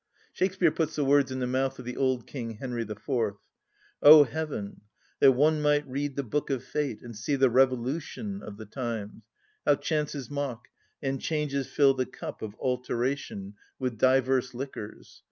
Shakspeare puts the words in the mouth of the old king Henry IV.:— "O heaven! that one might read the book of fate, And see the revolution of the times, ... how chances mock, And changes fill the cup of alteration With divers liquors!